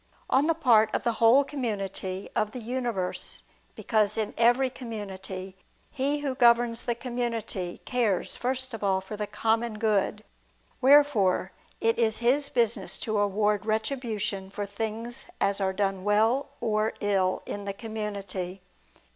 On the part of the whole community of the universe, because in every community, he who governs the community, cares, first of all, for the common good; wherefore it is his business to award retribution for such things as are done well or ill in the community.